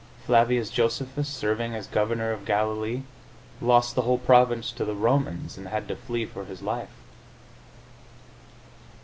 Flavius Josephus, serving as governor of Galilee, lost the whole province to the Romans, and had to flee for his life.